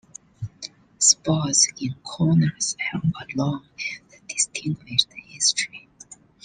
Sports in Kaunas have a long and distinguished history.